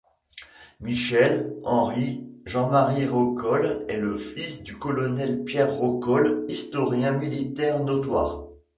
Michel, Henri, Jean-Marie Rocolle est le fils du colonel Pierre Rocolle, historien militaire notoire.